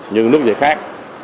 như nước dưới khác